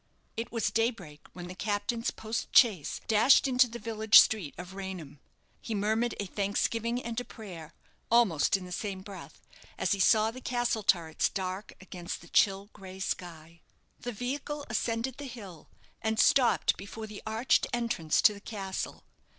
It was daybreak when the captain's post chaise dashed into the village street of Raynham. He murmured a thanksgiving and a prayer, almost in the same breath, as he saw the castle turrets dark against the chill gray sky. The vehicle ascended the hill, and stopped before the arched entrance to the castle.